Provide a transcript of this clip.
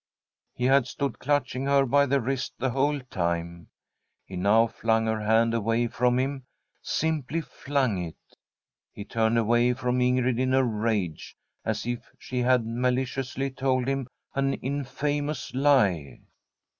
He had stood clutching her by the wrist the whole time. He now flung her hand away from him — simply flung it. He turned away from In grid in a rage, as if she had maliciously told him an infamous lie.